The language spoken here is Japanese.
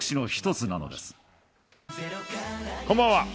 こんばんは。